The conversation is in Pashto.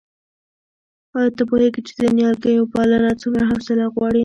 آیا ته پوهېږې چې د نیالګیو پالنه څومره حوصله غواړي؟